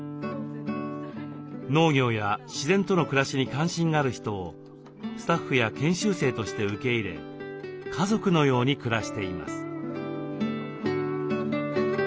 農業や自然との暮らしに関心がある人をスタッフや研修生として受け入れ家族のように暮らしています。